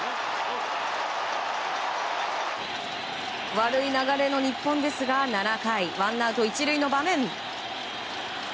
悪い流れの日本ですが７回ワンアウト１塁の場面。